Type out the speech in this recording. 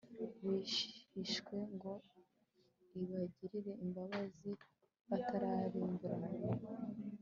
bihishwe ngo ibagirire imbabazi batarimburanwa